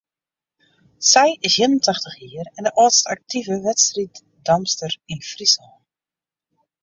Sy is ien en tachtich jier en de âldste aktive wedstriiddamster yn Fryslân.